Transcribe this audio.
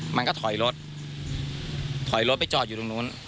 มันก็ถอยรถถอยรถไปจอดอยู่ตรงนู้น